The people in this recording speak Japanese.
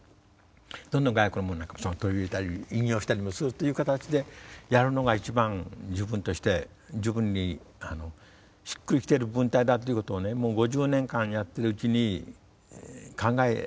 どんどん外国語のものなんかも取り入れたり引用したりもするという形でやるのが一番自分として自分にしっくりきている文体だということをねもう５０年間やってるうちに考えてきた。